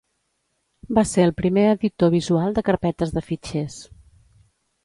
Va ser el primer editor visual de carpetes de fitxers.